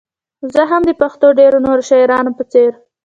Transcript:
زه هم د پښتو ډېرو نورو شاعرانو په څېر.